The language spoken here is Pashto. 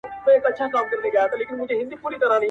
د احمدشاه له جګو غرونو سره لوبي کوي!.